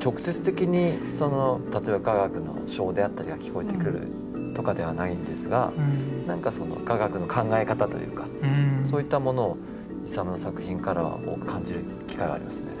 直接的に例えば雅楽の笙であったりが聞こえてくるとかではないんですが何かその雅楽の考え方というかそういったものをイサムの作品からは感じる機会がありますね。